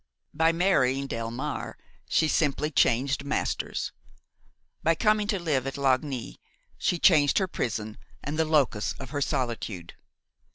By marrying Delmare she simply changed masters; by coming to live at Lagny, she changed her prison and the locus of her solitude.